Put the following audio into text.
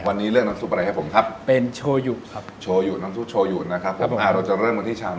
อันนี้สำหรับปุ่ยใหญ่กินและอิ่มแน่นอนต่อด้อน